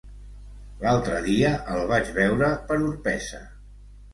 L'altre dia el vaig veure per Orpesa.